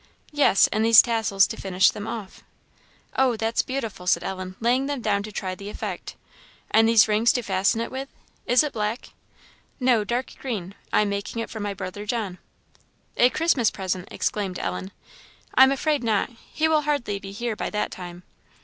"Yes, and these tassels to finish them off." "Oh, that's beautiful," said Ellen, laying them down to try the effect; "and these rings to fasten it with. Is it black?" "No, dark green. I am making it for my brother John." "A Christmas present!" exclaimed Ellen. "I am afraid not; he will hardly be here by that time.